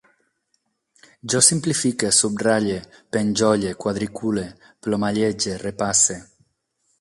Jo simplifique, subratlle, penjolle, quadricule, plomallege, repasse